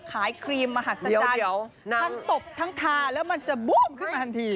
ครีมมหัศจรรย์ทั้งตบทั้งทาแล้วมันจะบูมขึ้นมาทันที